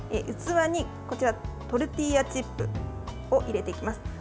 器にトルティーヤチップを入れていきます。